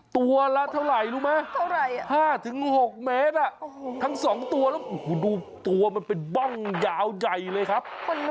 ตัวละเท่าไหร่รู้ไหมเท่าไหร่๕๖เมตรทั้ง๒ตัวแล้วดูตัวมันเป็นบ้องยาวใหญ่เลยครับ